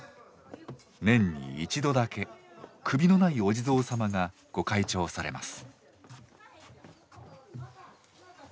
年に一度だけ首のないお地蔵様がご開帳されます。